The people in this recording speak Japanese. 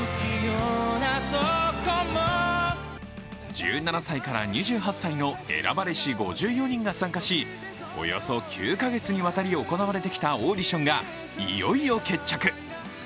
１７歳から２８歳の選ばれし５４人が参加しおよそ９か月にわたり行われてきたオーディションがいよいよ決着。